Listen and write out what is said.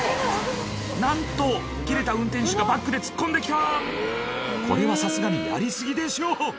なんとキレた運転手がバックで突っ込んで来たこれはさすがにやり過ぎでしょ